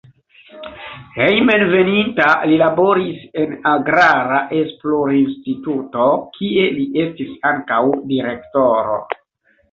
Hejmenveninta li laboris en agrara esplorinstituto, kie li estis ankaŭ direktoro.